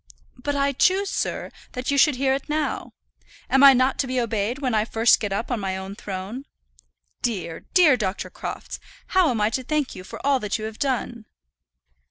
"But I choose, sir, that you should hear it now. Am I not to be obeyed when I first get up on to my own throne? Dear, dear Dr. Crofts, how am I to thank you for all that you have done?"